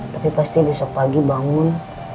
tapi pasti besok pagi bangun